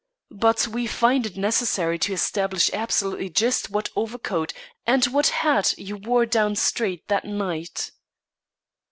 "But we find it necessary to establish absolutely just what overcoat and what hat you wore down street that night."